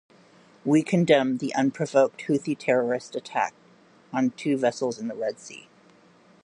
We condemn the unprovoked Houthi terrorist attack on two vessels in the Red Sea.